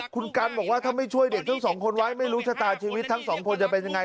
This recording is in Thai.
คุณกันบอกว่าถ้าไม่ช่วยเด็กทั้งสองคนไว้ไม่รู้ชะตาชีวิตทั้งสองคนจะเป็นยังไง